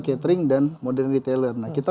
catering dan modern retailer nah kita